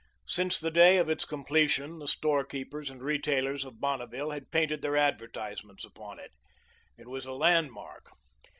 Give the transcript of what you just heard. Since the day of its completion, the storekeepers and retailers of Bonneville had painted their advertisements upon it. It was a landmark.